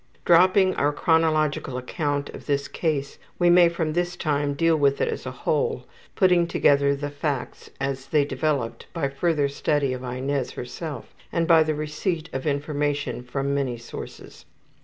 Dropping our chronological account of this case we may from this time deal with it as a whole, putting together the facts as they developed by further study of Inez herself and by the receipt of information from many sources.